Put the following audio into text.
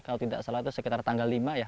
kalau tidak salah itu sekitar tanggal lima ya